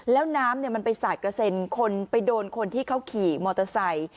แล้วน้ำมันไปสาดกระเซ็นคนไปโดนคนที่เขาขี่มอเตอร์ไซค์